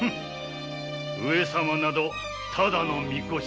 上様などただのミコシ。